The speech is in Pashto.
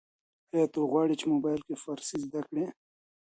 ایا ته غواړې چي په موبایل کي فارسي زده کړې؟